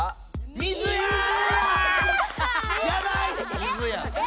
水や！